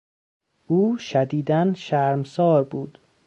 او شدیدا شرمسار بود.